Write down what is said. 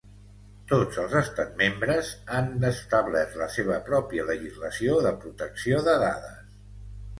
Tots els estats membres han establert la seva pròpia legislació de protecció de dades.